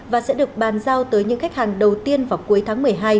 và sẽ được bàn giao tới những khách hàng đầu tiên vào cuối tháng một mươi hai